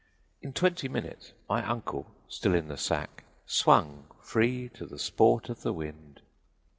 In twenty minutes my uncle, still in the sack, swung free to the sport of the wind.